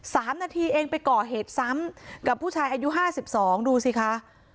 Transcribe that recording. สามนาทีเองไปก่อเหตุซ้ำกับผู้ชายอายุห้าสิบสองดูสิคะ